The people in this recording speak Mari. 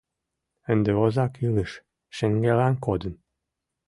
Ынде озак илыш шеҥгелан кодын.